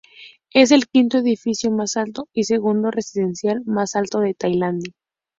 Es el quinto edificio más alto y segundo residencial más alto de Tailandia.